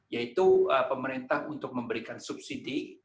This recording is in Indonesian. yaitu pemerintah untuk memberikan subsidi